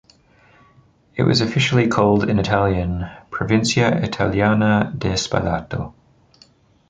It was officially called in Italian: "Provincia italiana di Spalato".